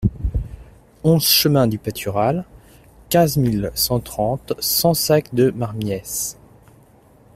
onze chemin du Patural, quinze mille cent trente Sansac-de-Marmiesse